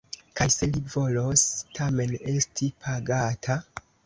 Kaj se li volos tamen esti pagata?